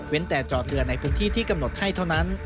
แต่จอดเรือในพื้นที่ที่กำหนดให้เท่านั้น